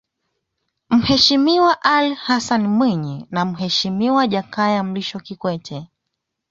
Mheshimiwa Alli Hassani Mwinyi na Mheshimiwa Jakaya Mrisho Kikwete